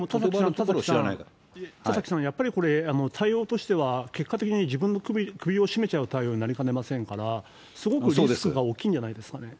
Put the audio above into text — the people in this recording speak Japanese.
でも田崎さん、やっぱりこれ、対応としては結果的に自分の首を絞めちゃう対応になりかねませんから、すごくリスクが大きいんじゃないですかね。